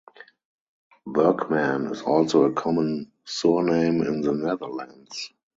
Bergman is also a common surname in the Netherlands.